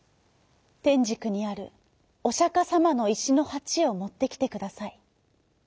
てんじくにあるおしゃかさまのいしのはちをもってきてください。